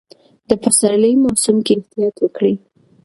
د پسرلي موسم کې احتیاط وکړئ.